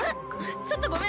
ちょっとごめん。